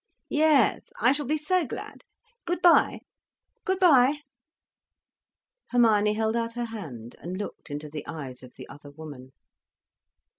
Yes. I shall be so glad. Good bye! Good bye!" Hermione held out her hand and looked into the eyes of the other woman.